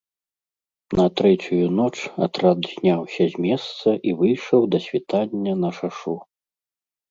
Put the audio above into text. На трэцюю ноч атрад зняўся з месца і выйшаў да світання на шашу.